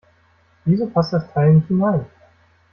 Wieso passt das Teil nicht hinein?